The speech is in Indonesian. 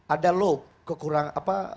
ada low kekurangan